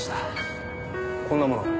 こんなものが。